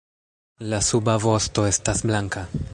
La suba vosto estas blanka.